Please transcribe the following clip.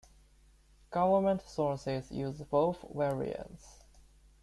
Government sources use both variants.